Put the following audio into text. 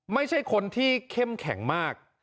ไม่ใช่คนที่เข้มแข็งมาก